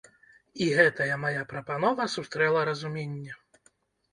І гэтая мая прапанова сустрэла разуменне.